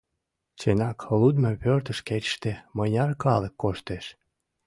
Чынак, лудмо пӧртыш кечыште мыняр калык коштеш?